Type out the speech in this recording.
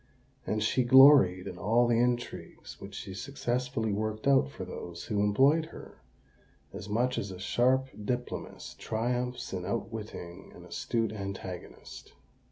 And she gloried in all the intrigues which she successfully worked out for those who employed her, as much as a sharp diplomatist triumphs in outwitting an astute antagonist.